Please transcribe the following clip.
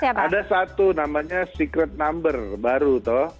ada satu namanya secret number baru toh